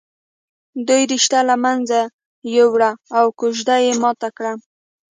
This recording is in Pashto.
دوی رشته له منځه ويوړه او کوژده یې ماته کړه